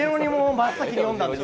真っ先に呼んだんですか。